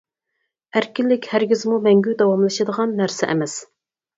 ئەركىنلىك ھەرگىزمۇ مەڭگۈ داۋاملىشىدىغان نەرسە ئەمەس.